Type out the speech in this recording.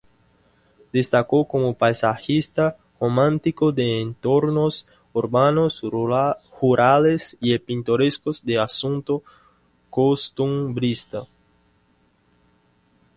Destacó como paisajista romántico de entornos urbanos, rurales y pintorescos de asunto costumbrista.